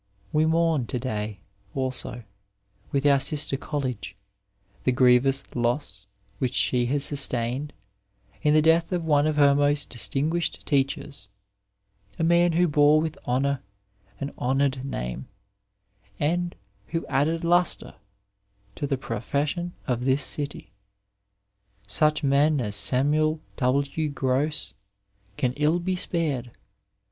We mourn to day, also, with our sister college, the grievous loss which she has sustained in the death of one of her most distinguished teachers, a man who bore with honour an honoured name, and who added lustre to the profession of this city. Such men as Samuel W. Gross can ill be spared.